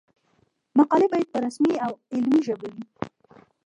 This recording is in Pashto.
مقالې باید په رسمي او علمي ژبه وي.